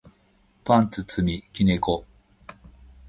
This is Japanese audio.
パンツ積み木猫